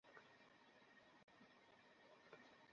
অবশেষে মেয়েটা আত্মহত্যা করে।